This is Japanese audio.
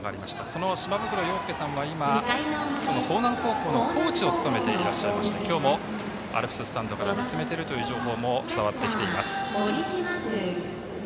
その島袋洋奨さんは、今興南高校のコーチを務めていらっしゃいまして今日もアルプススタンドから見つめているという情報も伝わってきています。